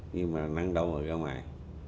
nhưng mà năng đâu mà ra ngoài